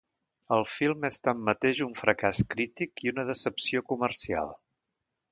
El film és tanmateix un fracàs crític i una decepció comercial.